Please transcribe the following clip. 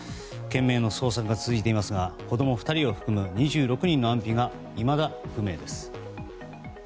懸命の捜索が続いていますが子供２人を含む２６人の安否がいまだ不明です。